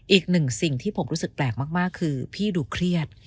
อีกหนึ่งสิ่งที่ผมรู้สึกแปลกมากคือพี่ดูเครียด